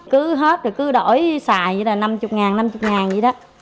cứ hết rồi cứ đổi xài như là năm mươi ngàn năm mươi ngàn vậy đó